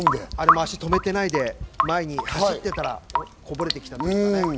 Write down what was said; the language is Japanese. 足を止めないで、前に走ってたらこぼれてきたんですよね。